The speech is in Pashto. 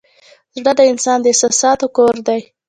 زړه د انسان د احساساتو کور دی.